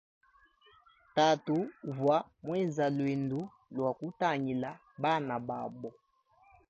Tatu uvwa mwenza lwendu lwa kutangila bana babo.